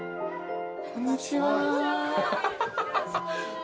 こんにちは。